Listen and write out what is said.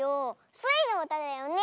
スイのうただよね。